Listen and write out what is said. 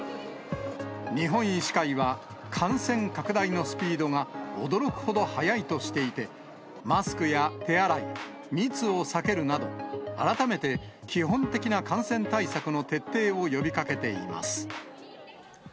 日本医師会は、感染拡大のスピードが驚くほど速いとしていて、マスクや手洗い、密を避けるなど、改めて基本的な感染対策の徹底を呼びかけています。